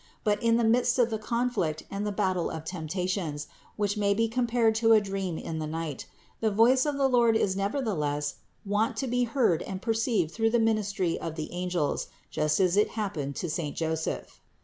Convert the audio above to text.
But in the midst of the conflict and the battle of temptations, which may be compared to a dream in the night, the voice of the Lord is nevertheless wont to be heard and perceived through the ministry of the angels, just as it happened to saint Joseph.